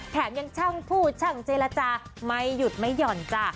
แถมยังช่างพูดช่างเจรจาไม่หยุดไม่หย่อนจ้ะ